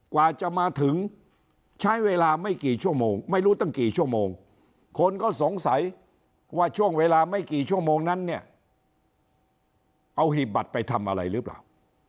กว่าจะมาถึงใช้เวลาไม่กี่ชั่วโมงไม่รู้ตั้งกี่ชั่วโมงคนก็สงสัยว่าช่วงเวลาไม่กี่ชั่วโมงนั้นเนี่ยเอาหีบบัตรไปทำอะไรหรือเปล่า